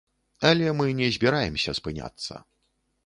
Але мы не збіраемся спыняцца.